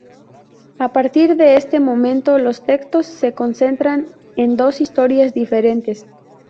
A partir de este momento, los textos se concentran en dos historias diferentes.